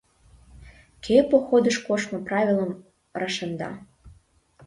— Кӧ походыш коштмо правилым рашемда?